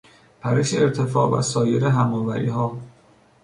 پرش ارتفاع و سایر هماوریها